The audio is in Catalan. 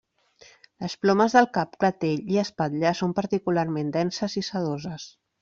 Les plomes del cap, clatell i espatlles són particularment denses i sedoses.